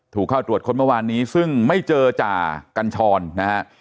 เข้าตรวจค้นเมื่อวานนี้ซึ่งไม่เจอจ่ากัญชรนะฮะ